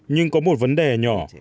nhưng có một vấn đề nhỏ